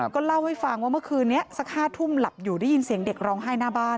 ก็เล่าให้ฟังว่าเมื่อคืนนี้สัก๕ทุ่มหลับอยู่ได้ยินเสียงเด็กร้องไห้หน้าบ้าน